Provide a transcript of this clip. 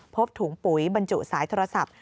พบถุงปุ๋ยบรรจุสายโทรศัพท์